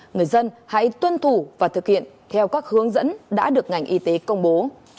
người dân hãy tuân thủ và thực hiện theo các hướng dẫn đã được ngành y tế công bố